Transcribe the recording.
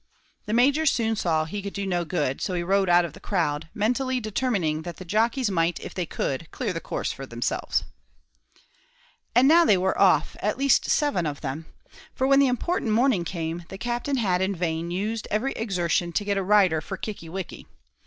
The Major soon saw he could do no good, so he rode out of the crowd, mentally determining that the jockeys might, if they could, clear the course for themselves. And now they were off at least seven of them; for when the important morning came, the Captain had in vain used every exertion to get a rider for Kickie wickie.